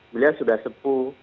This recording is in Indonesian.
beliau sudah sepuh